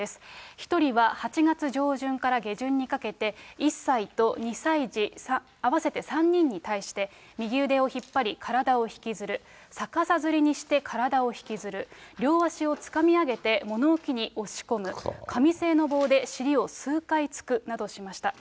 １人は８月上旬から下旬にかけて、１歳と２歳児合わせて３人に対して、右腕を引っ張り、体を引きずる、逆さづりにして体を引きずる、両足をつかみ上げて物置に押し込む、紙製の棒で尻を数回突くなどしました。